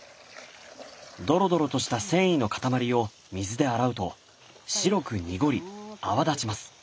ドロドロとした繊維の塊を水で洗うと白く濁り泡立ちます。